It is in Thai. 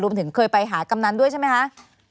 ถึงเคยไปหากำนันด้วยใช่ไหมคะ